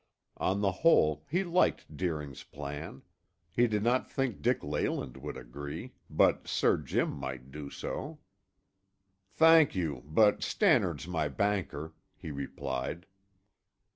On the whole, he liked Deering's plan; he did not think Dick Leyland would agree, but Sir Jim might do so. "Thank you, but Stannard's my banker," he replied.